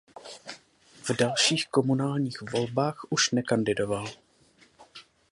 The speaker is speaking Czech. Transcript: V dalších komunálních volbách už nekandidoval.